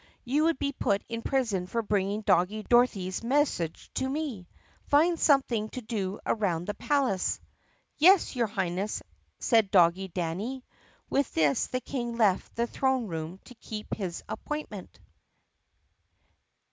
You would be put in prison for bringing Doggie Dorothy's message to me. Find some thing to do around the palace." "Yes, your Highness," said Doggie Danny. With this the King left the throne room to keep his appoint ment.